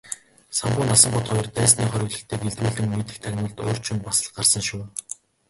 Самбуу Насанбат хоёр дайсны хориглолтыг илрүүлэн мэдэх тагнуулд урьд шөнө бас л гарсан шүү.